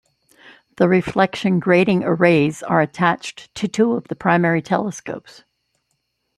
The Reflection Grating Arrays are attached to two of the primary telescopes.